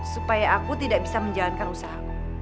supaya aku tidak bisa menjalankan usaha